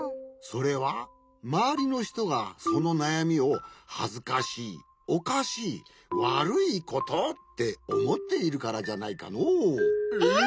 それはまわりのひとがそのなやみを「はずかしいおかしいわるいこと」っておもっているからじゃないかのう。